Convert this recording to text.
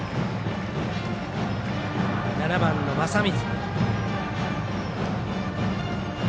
７番の正水。